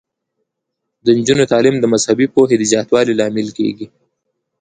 د نجونو تعلیم د مذهبي پوهې د زیاتوالي لامل کیږي.